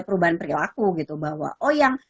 perubahan perilaku gitu bahwa oh yang